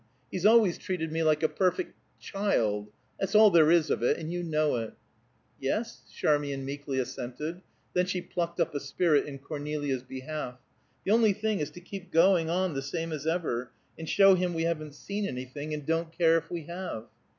He's always treated me like a perfect child. That's all there is of it, and you know it." "Yes," Charmian meekly assented. Then she plucked up a spirit in Cornelia's behalf. "The only thing is to keep going on the same as ever, and show him we haven't seen anything, and don't care if we have."